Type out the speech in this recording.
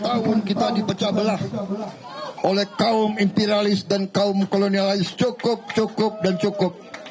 dua puluh tahun kita dipecah belah oleh kaum imperalis dan kaum kolonialis cukup cukup dan cukup